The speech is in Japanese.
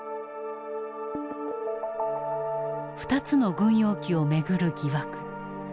２つの軍用機を巡る疑惑。